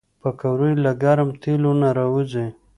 پکورې له ګرم تیلو نه راوځي